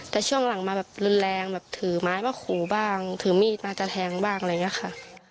แต่ช่วงหลังมาแบบแรงถือไม้มาขูบ้างถือมีดมาจนแทงบ้างเลยนี้กันค่ะ